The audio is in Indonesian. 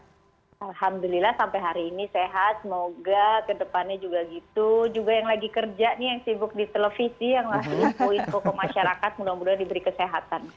alhamdulillah sampai hari ini sehat semoga kedepannya juga gitu juga yang lagi kerja nih yang sibuk di televisi yang masih info info ke masyarakat mudah mudahan diberi kesehatan